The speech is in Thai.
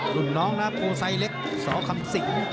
คุณน้องนะพูดไซเล็กสคก